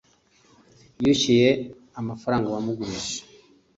yishyuye amafaranga wamugurije